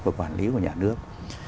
và quản lý của nhà nước